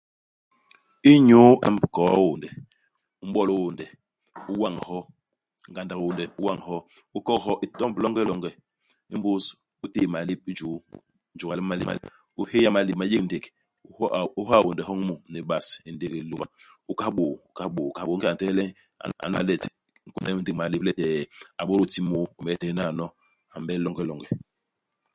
Inyu ilamb nkoo-hiônde, u m'bol hiônde, u wañ hyo. Ngandak hiônde. U wañ hyo. U kok hyo hi tomb longelonge. Imbus u téé malép i juu. Jôga li malép ma nlék. U héya imalép ma u yek ndék. U ha a u ha hiônde hyoñ mu ni bas, ni hilôba. U kahal bôô, u kahal bôô, u kahal bôô. Ingéda u ntehe le a nl a nla let, u kônde ndék i malép letee a bôdôl ti môô wemede u tehe naano a m'bel longelonge.